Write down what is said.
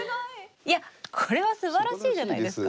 いやこれはすばらしいじゃないですか。